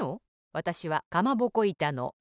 わたしはかまぼこいたのいた子。